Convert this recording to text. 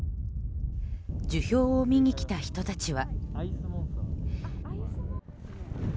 樹氷を見に来た人たちは。